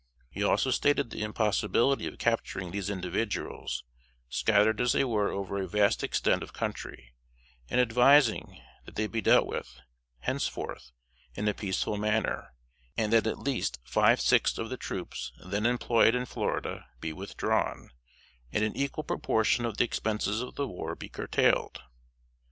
He also stated the impossibility of capturing these individuals, scattered as they were over a vast extent of country, and advising that they be dealt with, henceforth, in a peaceful manner; and that at least five sixths of the troops then employed in Florida be withdrawn, and an equal proportion of the expenses of the war be curtailed.